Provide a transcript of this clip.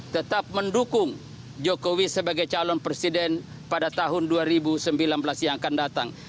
tetap mendukung jokowi sebagai calon presiden pada tahun dua ribu sembilan belas yang akan datang